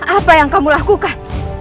apa yang kamu lakukan